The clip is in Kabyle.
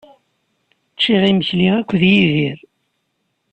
Ččiɣ imekli akked Yidir.